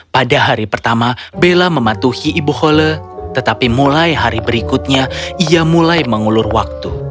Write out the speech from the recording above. pada hari pertama bella mematuhi ibu hole tetapi mulai hari berikutnya ia mulai mengulur waktu